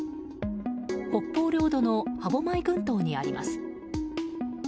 北方領土の歯舞群島にあります。